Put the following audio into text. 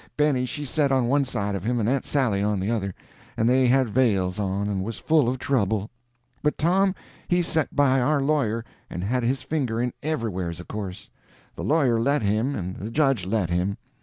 Benny she set on one side of him and Aunt Sally on the other, and they had veils on, and was full of trouble. But Tom he set by our lawyer, and had his finger in everywheres, of course. The lawyer let him, and the judge let him.